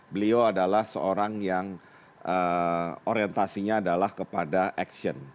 beliau adalah seorang yang orientasinya adalah kepada action